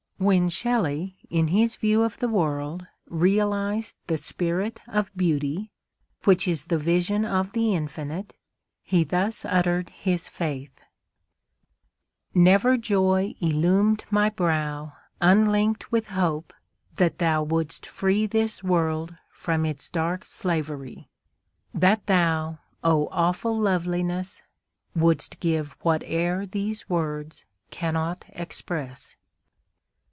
When Shelley in his view of the world realised the Spirit of Beauty, which is the vision of the Infinite, he thus uttered his faith: Never joy illumed my brow Unlinked with hope that thou wouldst free This world from its dark slavery; That thou,—O awful Loveliness,— Wouldst give whate'er these words cannot express.